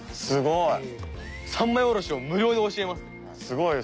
すごい。三枚おろしを無料で教えますって。